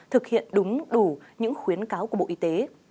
thực hiện đúng đủ những khuyến cáo của bộ y tế